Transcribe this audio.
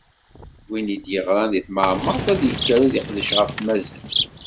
Win i d-yeɣṛan di temɛemmeṛt ad ikker ad iqdec ɣef tmaziɣt.